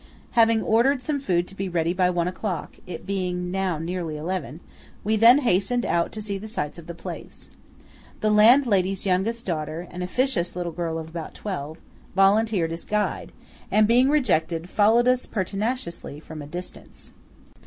Having ordered some food to be ready by one o'clock (it being now nearly eleven) we then hastened out to see the sights of the place. The landlady's youngest daughter, an officious little girl of about twelve, volunteered as guide, and, being rejected, followed us pertinaciously from a distance.